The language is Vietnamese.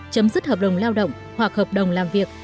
chấm dứt hợp đồng lao động hoặc hợp đồng làm việc